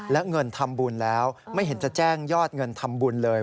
และเงินทำบุญแล้วไม่เห็นจะแจ้งยอดเงินทำบุญเลย